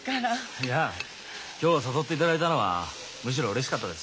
いや今日誘っていただいたのはむしろうれしかったです。